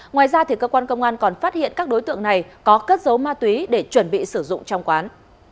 ngoài ra cơ quan công an còn phát hiện các đối tượng này có cất dấu ma túy để chuẩn bị sử dụng trong quán